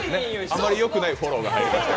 あまりよくないフォローが入りました。